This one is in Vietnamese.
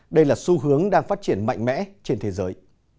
đây là xu hướng đang phát triển mạnh mẽ trên thế giới